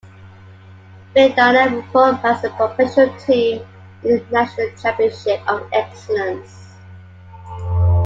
Viadana reformed as a professional team in the National Championship of Excellence.